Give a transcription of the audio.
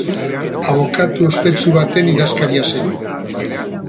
Abokatu ospetsu baten idazkaria zen.